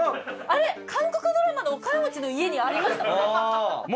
あれ韓国ドラマのお金持ちの家にありました。